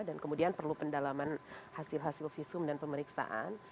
dan kemudian perlu pendalaman hasil hasil visum dan pemeriksaan